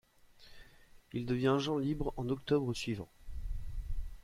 Il devient agent libre en octobre suivant.